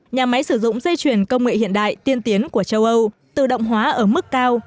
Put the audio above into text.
nhà máy sử dụng dây chuyển công nghệ hiện đại tiên tiến của châu âu tự động hóa ở mức cao